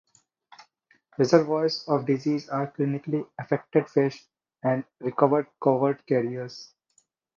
Reservoirs of disease are clinically affected fish and recovered covert carriers.